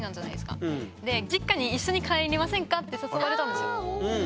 で「実家に一緒に帰りませんか？」って誘われたんですよ。